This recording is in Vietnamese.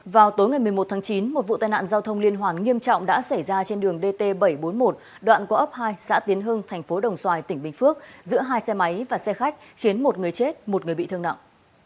vào tối ngày một mươi một tháng chín một vụ tai nạn giao thông liên hoàn nghiêm trọng đã xảy ra trên đường dt bảy trăm bốn mươi một đoạn có ấp hai xã tiến hưng thành phố đồng xoài tỉnh bình phước giữa hai xe máy và xe khách khiến một người chết một người bị thương nặng